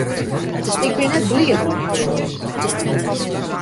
Ik bin net bliid mei dy feroarings.